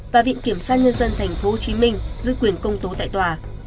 và viện kiểm sát nhân dân tp hcm giữ quyền công tố tại tòa